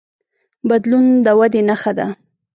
بدلون د ودې نښه ده.